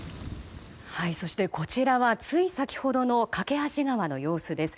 そしてこちらはつい先ほどの梯川の様子です。